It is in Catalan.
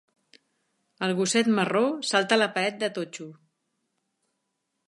El gosset marró salta la paret de totxo